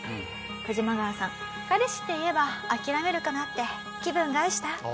クジマガワさん「彼氏って言えば諦めるかなって気分害した？」。